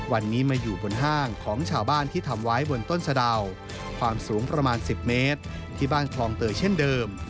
วันนี้มาอยู่บนห้างของชาวบ้านที่ทำไว้บนต้นสะดาวความสูงประมาณ๑๐เมตรที่บ้านคลองเตยเช่นเดิม